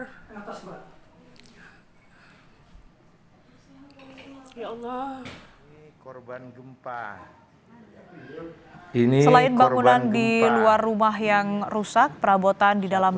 insya allah korban gempa ini selain bangunan di luar rumah yang rusak perabotan di dalam